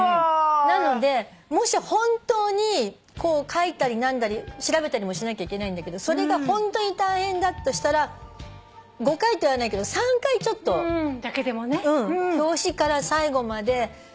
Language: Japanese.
なのでもし本当に書いたり何だり調べたりもしなきゃいけないんだけどそれが本当に大変だとしたら５回とは言わないけど３回ちょっと表紙から最後まで飛ばさずに読んでほしい。